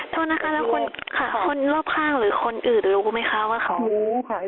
โทษนะคะแล้วคนรอบข้างหรือคนอื่นรู้ไหมคะ